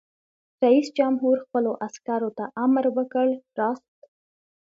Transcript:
رئیس جمهور خپلو عسکرو ته امر وکړ؛ راست!